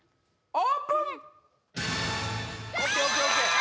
オープン！